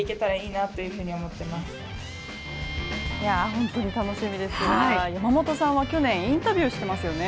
本当に楽しみですが、山本さんは去年インタビューしていますよね。